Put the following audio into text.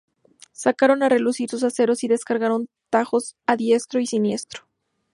Sacaron a relucir sus aceros y descargaron tajos a diestro y siniestro.